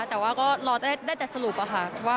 แต่ว่าก็รอได้แต่สรุปค่ะว่า